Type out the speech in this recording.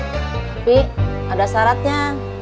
tapi ada syaratnya